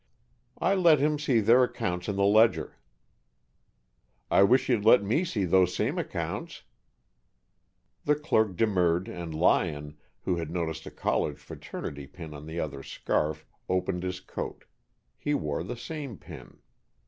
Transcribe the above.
"I let him see their accounts in the ledger." "I wish you'd let me see those same accounts." The clerk demurred and Lyon, who had noticed a college fraternity pin in the other's scarf, opened his coat. He wore the same pin.